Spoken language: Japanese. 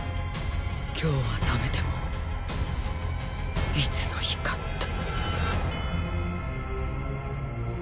今日はダメでもいつの日かって。